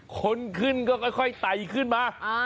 คนขึ้นก็ค่อยไต่ขึ้นมา